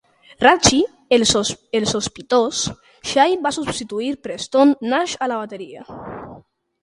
Racci "el Sospitós" Shay va substituir Preston Nash a la bateria.